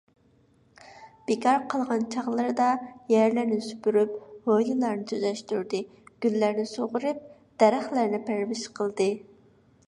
بىكار قالغان چاغلىرىدا يەرلەرنى سۈپۈرۈپ، ھويلىلارنى تۈزەشتۈردى. گۈللەرنى سۇغىرىپ، دەرەخلەرنى پەرۋىش قىلدى.